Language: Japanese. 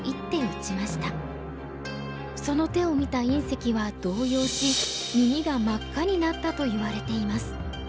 その手を見た因碩は動揺し耳が真っ赤になったといわれています。